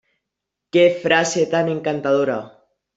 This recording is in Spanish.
Qué frase tan encantadora...